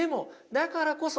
だからこそ。